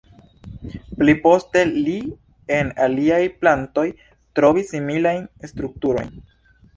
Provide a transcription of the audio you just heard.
Pli poste li en aliaj plantoj trovis similajn strukturojn.